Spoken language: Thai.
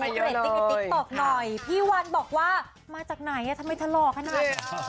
ชั้นขอเช็คเวทติกติกติกติกติกติกหน่อยพี่วันบอกว่ามาจากไหนอ่ะทำไมเธอหลอกขนาดนี้